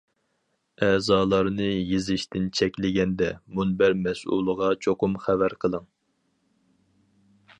ئەزالارنى يېزىشتىن چەكلىگەندە، مۇنبەر مەسئۇلىغا چوقۇم خەۋەر قىلىڭ.